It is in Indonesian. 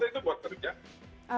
itu buat kerja